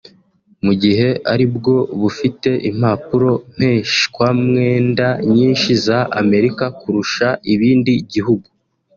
mu gihe ari bwo bufite impapuro mpeshwamwenda nyinshi za Amerika kurusha ibindi gihugu